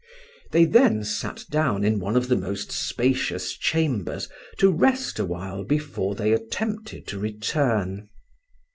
They then sat down in one of the most spacious chambers to rest awhile before they attempted to return.